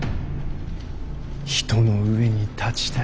人の上に立ちたい。